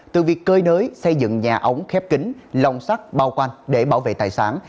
từ việc cơi nới xây dựng nhà ống khép kính lòng sắt bao quanh để bảo vệ tài sản